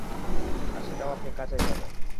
আর সেটাও আপনি কাঁচাই পাবেন।